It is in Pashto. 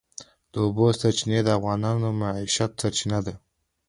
د اوبو سرچینې د افغانانو د معیشت سرچینه ده.